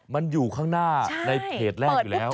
มันอยู่ข้างหน้าในเพจแรกอยู่แล้ว